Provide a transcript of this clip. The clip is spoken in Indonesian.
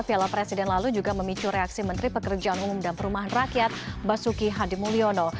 piala presiden lalu juga memicu reaksi menteri pekerjaan umum dan perumahan rakyat basuki hadimulyono